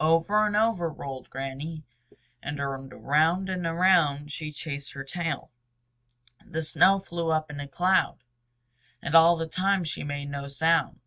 Over and over rolled Granny, and around and around she chased her tail. The snow flew up in a cloud. And all the time she made no sound.